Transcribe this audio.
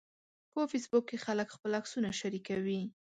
په فېسبوک کې خلک خپل عکسونه شریکوي